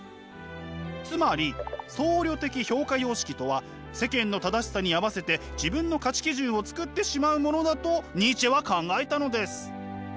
つまり僧侶的評価様式とは世間の正しさに合わせて自分の価値基準を作ってしまうものだとニーチェは考えたのです。